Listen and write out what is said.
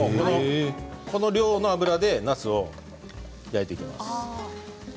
この量の油でなすを焼いていきます。